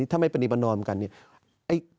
ถ้าไม่ปรณีประนอมกันเนี่ย